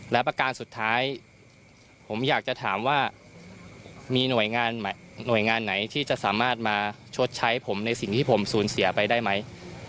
และประการสุดท้ายผมอยากจะถามว่ามีหน่วยงานหน่วยงานไหนที่จะสามารถมาชดใช้ผมในสิ่งที่ผมสูญเสียไปได้ไหม